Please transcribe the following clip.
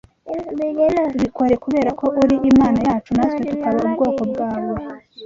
Bikore kubera ko uri Imana yacu natwe tukaba ubwoko bwawe